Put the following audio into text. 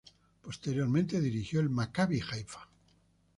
Posteriormente dirigió al Maccabi Haifa.